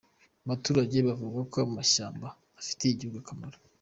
Abaturage bavuga ko amashyamba afitiye igihugu akamaro.